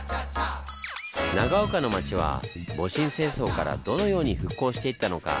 長岡の町は戊辰戦争からどのように復興していったのか。